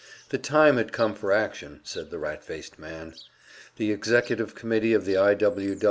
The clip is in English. The time had come for action, said the rat faced man. The executive committee of the I.